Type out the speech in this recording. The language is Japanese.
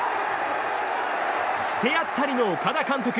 してやったりの岡田監督。